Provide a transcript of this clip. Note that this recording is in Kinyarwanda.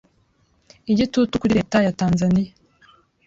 Igitutu kuri Leta ya tanzani